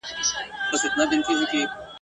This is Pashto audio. هغه راباندي وخندل